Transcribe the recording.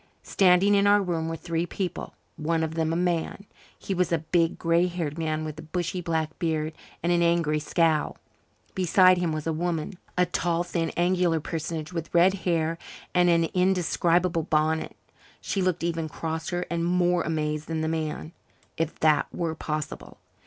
Standing in our room were three people, one of them a man. He was a big, grey haired man with a bushy black beard and an angry scowl. Beside him was a woman a tall, thin, angular personage with red hair and an indescribable bonnet. She looked even crosser and more amazed than the man, if that were possible.